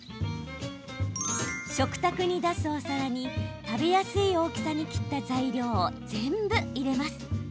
食卓に出すお皿に食べやすい大きさに切った材料を全部入れます。